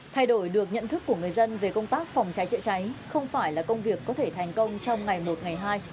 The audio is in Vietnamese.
thay đổi được nhận thức của người dân về công tác phòng cháy chữa cháy không phải là công việc có thể thành công trong ngày một ngày hai